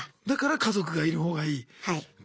だから家族がいるほうがいい。